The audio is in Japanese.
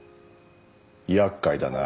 厄介だな。